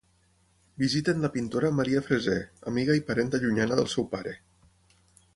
Visiten la pintora Maria Freser, amiga i parenta llunyana del seu pare.